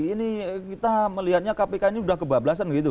ini kita melihatnya kpk ini sudah kebablasan gitu